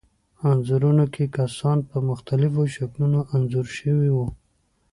انځورونو کې کسان په مختلفو شکلونو انځور شوي وو.